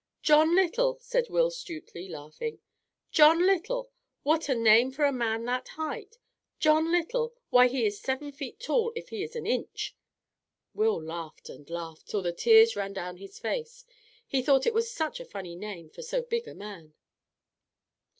"John Little!" said Will Stutely laughing. "John Little! what a name for a man that height! John Little! why he is seven feet tall if he is an inch!" Will laughed and laughed, till the tears ran down his face. He thought it was such a funny name for so big a man.